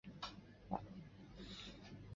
鹉川站日高本线的铁路车站。